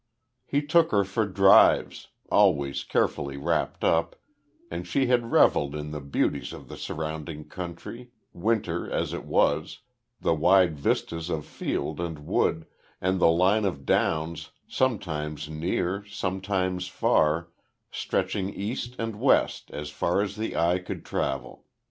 He took her for drives, always carefully wrapped up, and she had revelled in the beauties of the surrounding country, winter as it was the wide vistas of field and wood, and the line of downs, sometimes near, sometimes far, stretching east and west as far as the eye could travel.